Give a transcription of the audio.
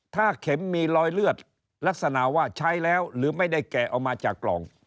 ถ้าเข็มมีรอยเลือดลักษณะว่าใช้แล้วหรือไม่ได้แกะออกมาจากกล่อง